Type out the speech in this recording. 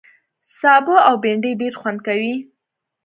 سابه او بېنډۍ ډېر خوند کوي